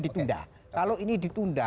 ditunda kalau ini ditunda